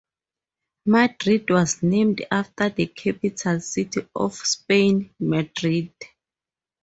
Madrid was named after the capital city of Spain, Madrid.